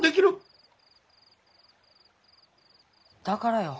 だからよ。